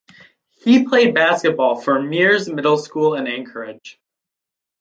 He played basketball for Mears Middle School in Anchorage.